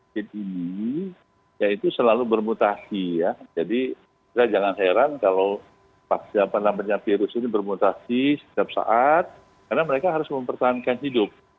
jadi ya itu selalu bermutasi ya jadi kita jangan heran kalau vaksin yang penampil virus ini bermutasi setiap saat karena mereka harus mempertahankan hidup